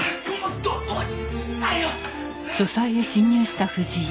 どこにいったよ！！